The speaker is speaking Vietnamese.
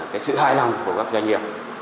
cái sự hài lòng của các doanh nghiệp